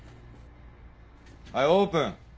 はいオープン。